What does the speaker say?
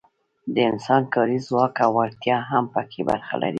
د انسان کاري ځواک او وړتیا هم پکې برخه لري.